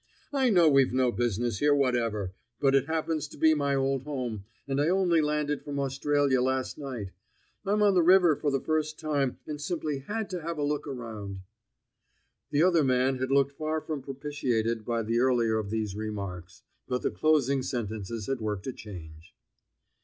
"I know we've no business here whatever; but it happens to be my old home, and I only landed from Australia last night. I'm on the river for the first time, and simply had to have a look round." The other big man had looked far from propitiated by the earlier of these remarks, but the closing sentences had worked a change.